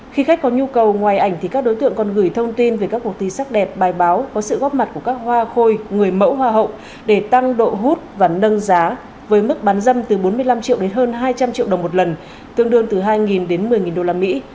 khi khách có nhu cầu ngoài ảnh thì các đối tượng còn gửi thông tin về các cuộc thi sắc đẹp bài báo có sự góp mặt của các hoa khôi người mẫu hoa hậu để tăng độ hút và nâng giá với mức bán dâm từ bốn mươi năm triệu đến hơn hai trăm linh triệu đồng một lần tương đương từ hai đến một mươi đô la mỹ